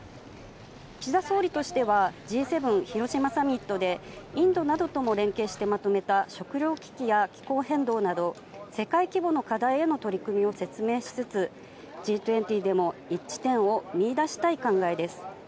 岸田総理としては、Ｇ７広島サミットで、インドなどとも連携してまとめた食料危機や気候変動など、世界規模の課題への取り組みを説明しつつ、Ｇ２０でも一致点を見いだしたい考えです。